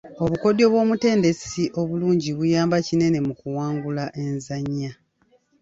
Obukodyo bw'omutendesi obulungi buyamba kinene mu kuwangula enzannya.